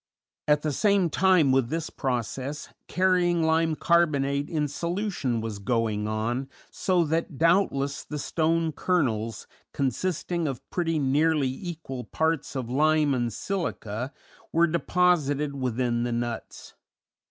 At the same time with this process, carrying lime carbonate in solution was going on, so that doubtless the stone kernels, consisting of pretty nearly equal parts of lime and silica, were deposited within the nuts.